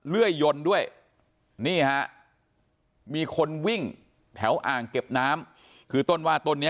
เลื่อยยนด้วยนี่ฮะมีคนวิ่งแถวอ่างเก็บน้ำคือต้นว่าต้นนี้